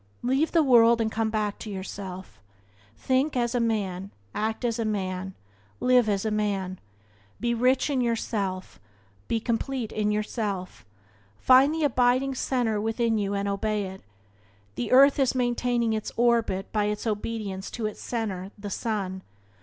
Leave the world and come back to yourself. Think as a man, act as a man, live as a man. Be rich in yourself, be complete in yourself. Find the abiding centre within you and obey it. The earth is maintaining its orbit by its obedience to its centre the sun.